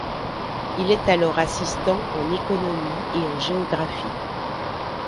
Il est alors assistant en économie et en géographie.